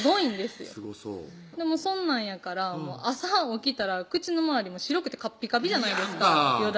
すごそうそんなんやから朝起きたら口の周りも白くてカッピカピじゃないですかよ